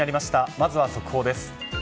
まずは速報です。